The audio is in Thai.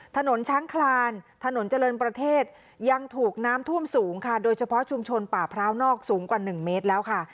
ถนนช้างคลานถนนเจริญประเทศยังถูกน้ำท่วมสูงค่ะโดยเฉพาะชุมชนป่าพร้าวนอกสูงกว่า๑เมตรแล้วค่ะ